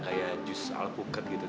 kayak jus alpukat gitu